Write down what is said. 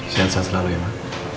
sehat sehat selalu ya mas